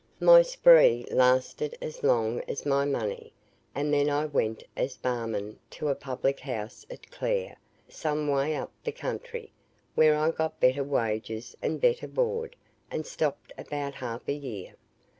My spree lasted as long as my money, and then I went as barman to a public house at Clare, some way up the country here I got better wages and better board, and stopped about half a year.